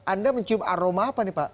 anda mencium aroma apa nih pak